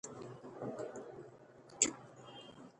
د لاتیني امریکا خلک یې خوښوي.